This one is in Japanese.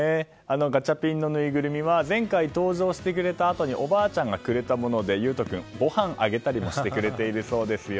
ガチャピンのぬいぐるみは前回、登場してくれたあとにおばあちゃんがくれたもので優響君、ご飯をあげたりもしてくれているそうですよ。